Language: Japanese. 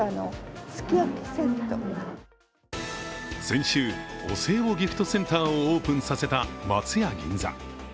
先週、お歳暮ギフトセンターをオープンさせた松屋銀座。